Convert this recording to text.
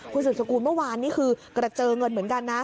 คุณสุดสกุลเมื่อวานนี้คือกระเจอเงินเหมือนกันนะ